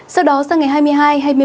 sau đó sang ngày hai mươi hai hai mươi